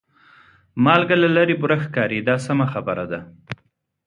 مالګه له لرې بوره ښکاري دا سمه خبره ده.